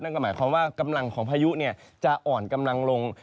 หมายความว่ากำลังของพายุจะอ่อนกำลังลง